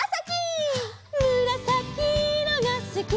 「むらさきいろがすき」